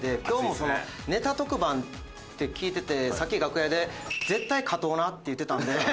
今日もネタ特番って聞いててさっき楽屋で「絶対勝とうな」って言ってたんで。